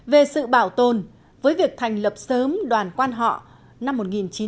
về sự bảo tồn với việc thành lập sớm đoàn quan họ năm một nghìn chín trăm bảy mươi